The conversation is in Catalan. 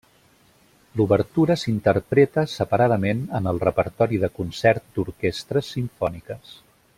L'obertura s'interpreta separadament en el repertori de concert d'orquestres simfòniques.